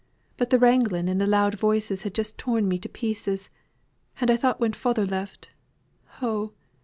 But the wraglin' and the loud voices had just torn me to pieces, and I thought when father left, oh!